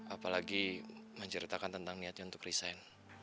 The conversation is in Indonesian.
apalagi menceritakan tentang niatnya untuk resign